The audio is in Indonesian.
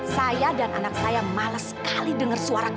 saya dan anak saya malas sekali dengar suara kamu